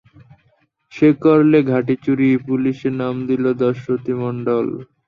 সে করলে ঘটি চুরি, পুলিসে নাম দিলে দাশরথি মণ্ডল।